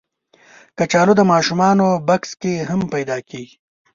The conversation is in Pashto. کچالو د ماشومانو بکس کې هم پیدا کېږي